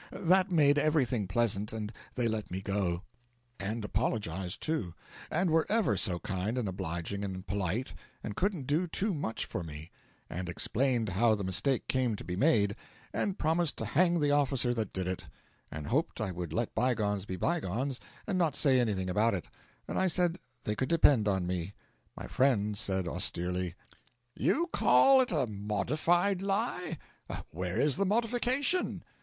That made everything pleasant and they let me go; and apologised, too, and were ever so kind and obliging and polite, and couldn't do too much for me, and explained how the mistake came to be made, and promised to hang the officer that did it, and hoped I would let bygones be bygones and not say anything about it; and I said they could depend on me. My friend said, austerely: 'You call it a modified lie? Where is the modification?'